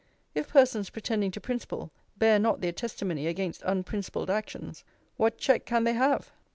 If persons pretending to principle, bear not their testimony against unprincipled actions, what check can they have?